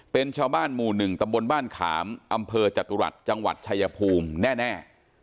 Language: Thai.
เป็นชาวบ้านหมู่๑ตำบลบ้านขามอำเภอจตุรัสจังหวัดชายภูมิแน่